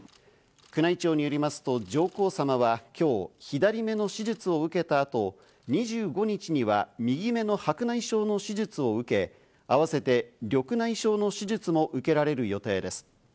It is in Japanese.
宮内庁によりますと、上皇さまは今日、左目の手術を受けたあと、２５日には右目の白内障の手術を受け、あわせて緑内障の手術も受けられる予定です。